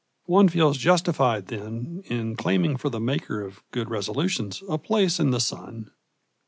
One feels justified, then, in claiming for the maker of good resolutions a place in the sun.